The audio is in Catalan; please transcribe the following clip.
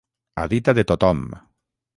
A dita de tothom.